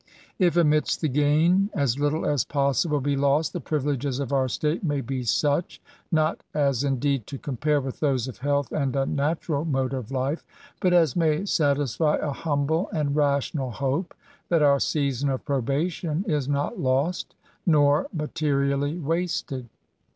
If, amidst GAINS AND PBIYILEGES. 211 the gain^ as little as possible be lost^ the privileges of our state may be such, — ^not as, indeed, to compare with those of health and a natural mode of life, — ^but as may satisfy a humble and rational hope that our season of probation is not lost, nor materially wasted.